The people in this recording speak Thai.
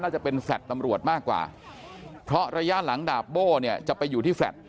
น่าจะเป็นแฟลดตำรวจมากกว่าเพราะระยะหลังดาบโบจะไปอยู่